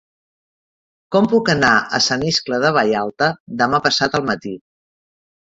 Com puc anar a Sant Iscle de Vallalta demà passat al matí?